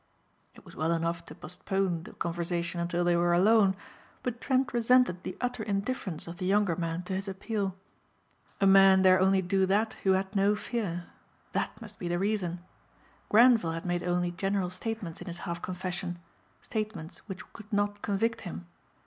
It was well enough to postpone the conversation until they were alone, but Trent resented the utter indifference of the younger man to his appeal. A man dare only do that who had no fear. That must be the reason. Grenvil had made only general statements in his half confession, statements which could not convict him.